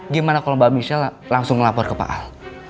gimana kalau mbak michelle langsung melapor ke pak al